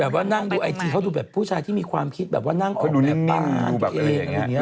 แบบว่านั่งดูไอทีเขาดูแบบผู้ชายที่มีความคิดแบบว่านั่งของแบบตาดูเอง